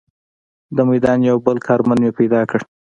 د میدان یو بل کارمند مې پیدا کړ.